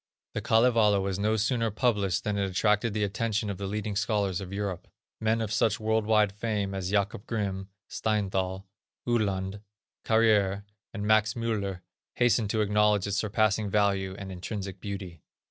The Kalevala was no sooner published than it attracted the attention of the leading scholars of Europe. Men of such world wide fame as Jacob Grimm, Steinthal, Uhland, Carrière and Max Müller hastened to acknowledge its surpassing value and intrinsic beauty.